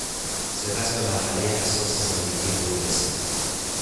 سپس به مرحلهی حساس زندگی خود رسید...